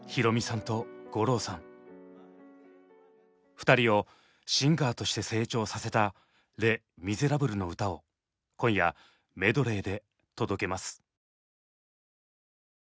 ２人をシンガーとして成長させた「レ・ミゼラブル」の歌を今夜メドレーで届けます。